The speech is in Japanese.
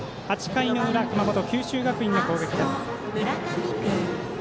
８回の裏、熊本、九州学院の攻撃。